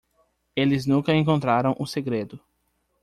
Eles nunca encontraram o segredo.